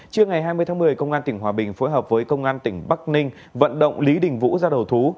trước ngày hai mươi tháng một mươi công an tỉnh hòa bình phối hợp với công an tỉnh bắc ninh vận động lý đình vũ ra đầu thú